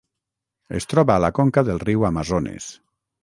Es troba a la conca del riu Amazones.